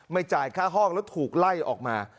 จ่ายค่าห้องแล้วถูกไล่ออกมา